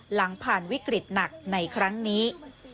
หลังผ่านวิกฤตหนักในครั้งนี้